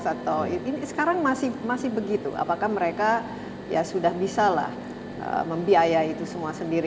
sekarang masih begitu apakah mereka sudah bisa membiayai itu semua sendiri